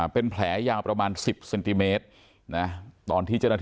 เป็นแผลยายาวประมาณ๑๐เซนติเมตร